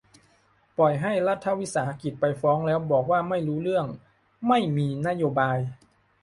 ปล่อยให้รัฐวิสาหกิจไปฟ้อง แล้วบอกว่าไม่รู้เรื่อง ไม่มีนโยบาย